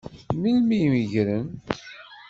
Melmi i meggren?